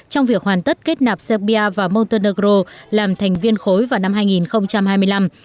trong việc hoàn tất kết nạp serbia và monternegro làm thành viên khối vào năm hai nghìn hai mươi năm